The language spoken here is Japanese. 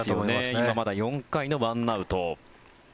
今、まだ４回の１アウト。